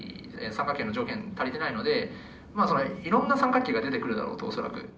三角形の条件足りてないのでいろんな三角形が出てくるだろうと恐らく。